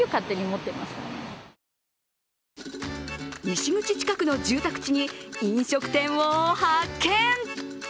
西口近くの住宅地に飲食店を発見。